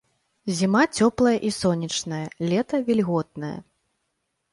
Зіма цёплая і сонечная, лета вільготнае.